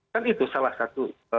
kan itu salah satu